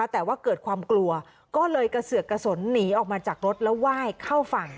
แต่ว่าเกิดความกลัวก็เลยกระเสือกกระสนหนีออกมาจากรถแล้วไหว้เข้าฝั่ง